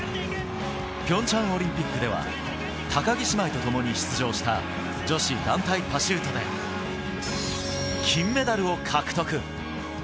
ピョンチャンオリンピックでは高木姉妹とともに出場した女子団体パシュートで、金メダルを獲得。